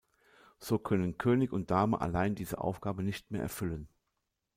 So können König und Dame allein diese Aufgabe nicht mehr erfüllen.